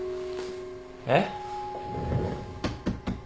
えっ？